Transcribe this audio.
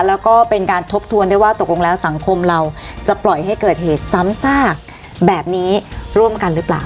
แล้วก็เป็นการทบทวนได้ว่าตกลงแล้วสังคมเราจะปล่อยให้เกิดเหตุซ้ำซากแบบนี้ร่วมกันหรือเปล่า